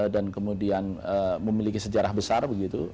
dan kemudian memiliki sejarah besar begitu